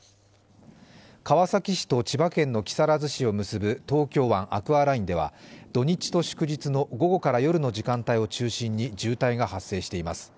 川崎市と千葉県の木更津市を結ぶ東京湾アクアラインでは土日と祝日の午後から夜の時間帯を中心に渋滞が発生しています。